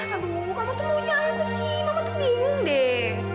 aduh kamu tuh punya apa sih mama tuh bingung deh